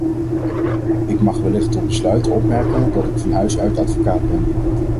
Ik mag wellicht tot besluit opmerken dat ik van huis uit advocaat ben.